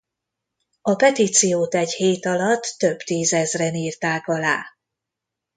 A petíciót egy hét alatt több tízezren írták alá.